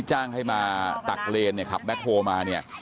ให้มาตักเลนขับแบ็คโฮล์มา